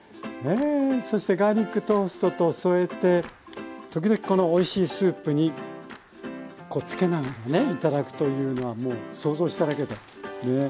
そしてガーリックトーストと添えて時々このおいしいスープにこうつけながらね頂くというのはもう想像しただけでねおいしそうです。